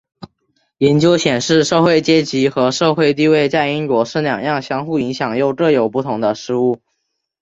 研究显示社会阶级和社会地位在英国是两样相互影响又各有不同的事物。